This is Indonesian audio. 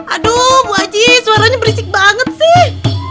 aduh bu aji suaranya berisik banget sih